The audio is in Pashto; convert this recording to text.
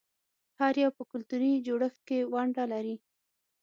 هر یو په کلتوري جوړښت کې ونډه لري.